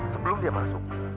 sebelum dia masuk